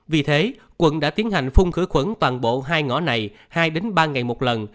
vì thế quận đã tiến hành phun khử khuẩn toàn bộ hai ngõ này hai ba ngày một lần